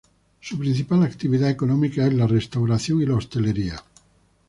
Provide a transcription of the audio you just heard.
Su principal actividad económica es la restauración y la hostelería.